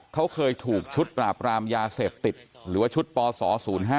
เขาเคยถูกชุดปราบรามยาเสพติดหรือว่าชุดปศ๐๕